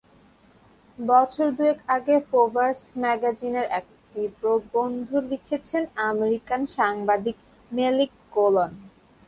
বছর দুয়েক আগে ফোর্বস ম্যাগাজিনে একটি প্রবন্ধ লিখেছেন আমেরিকান সাংবাদিক মেলিক কোলন।